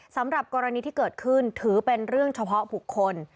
สำหรับกรณีที่เกิดขึ้นถือเป็นเรื่องเฉพาะบุคคล